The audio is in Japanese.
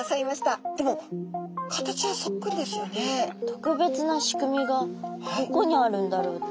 特別な仕組みがどこにあるんだろうって。